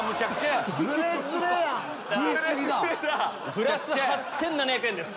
プラス８７００円です。